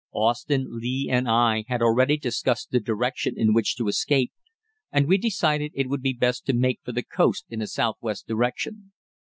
Austin, Lee, and I had already discussed the direction in which to escape, and we decided that it would be best to make for the coast in a southwest direction.